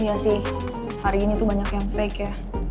iya sih hari ini tuh banyak yang fake ya